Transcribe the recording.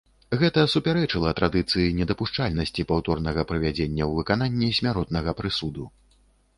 Гэта супярэчыла традыцыі недапушчальнасці паўторнага прывядзення ў выкананне смяротнага прысуду.